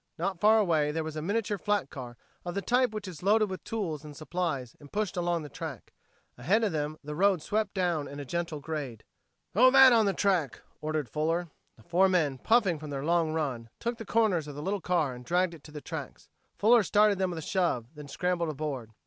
Not far away there was a miniature flat car of the type which is loaded with tools and supplies and pushed along the track. Ahead of them the road swept down in a gentle grade. "Throw that on the track," ordered Fuller. The four men, puffing from their long run, took the corners of the little car and dragged it to the tracks. Fuller started them with a shove, then scrambled aboard.